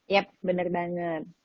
yap benar banget